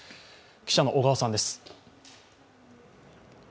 記者の小川さんです。